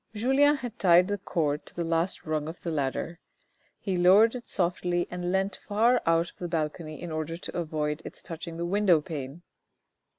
Julien had tied the cord to the last rung of the ladder. He lowered it softly and leant far out of the balcony in order to avoid its touching the window pane.